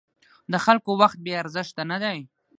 د خلکو وخت بې ارزښته نه دی.